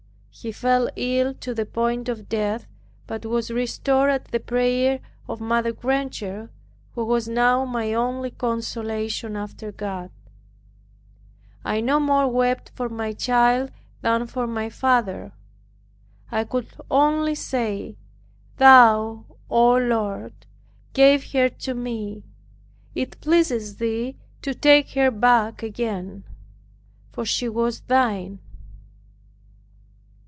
He fell ill to the point of death, but was restored at the prayer of Mother Granger who was now my only consolation after God. I no more wept for my child than for my father. I could only say, "Thou, O Lord, gave her to me; it pleases Thee to take her back again, for she was Thine."